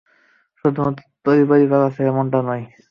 শুধুমাত্র তোরই পরিবার আছে - এমনটা নয়।